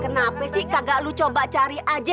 kenapa sih kagak lu coba cari aja